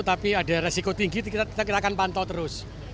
tapi ada resiko tinggi kita akan pantau terus